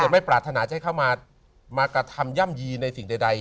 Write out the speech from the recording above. มากระทำย่ำยีในสิ่งใด